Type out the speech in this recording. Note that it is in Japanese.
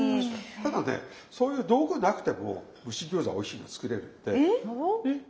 ただねそういう道具なくても蒸し餃子はおいしいの作れるんで。え？